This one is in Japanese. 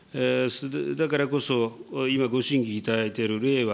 だからこそ、今、ご審議いただいている令和